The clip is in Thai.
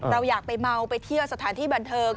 เราอยากไปเมาไปเที่ยวสถานที่บันเทิง